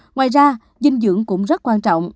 ngoài ra dinh dưỡng cũng rất quan trọng